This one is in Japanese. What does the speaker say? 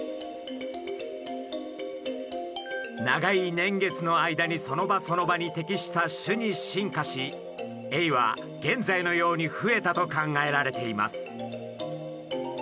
長い年月の間にその場その場に適した種に進化しエイは現在のように増えたと考えられています。